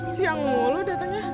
siang mulu datangnya